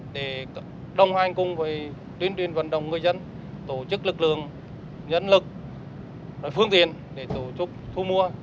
để đồng hành cùng với tuyên truyền vận động người dân tổ chức lực lượng dẫn lực phương tiện để tổ chức thu mua